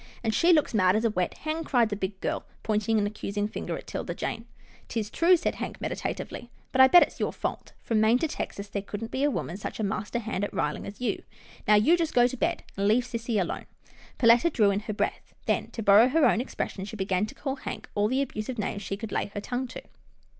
" And she looks mad as a wet hen !" cried the big girl, pointing an accusing finger at 'Tilda Jane. " 'Tis true," said Hank, meditatively, " but I bet it's your fault. From Maine to Texas, there couldn't be a woman such a master hand at riling as you. Now you just go to bed, and leave sissy alone." Perletta drew in her breath, then, to borrow her own expression, she began to call Hank all the abusive names she " could lay her tongue to."